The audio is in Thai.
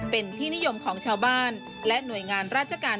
เป็นที่นิยมของชาวบ้านและหน่วยงานราชการ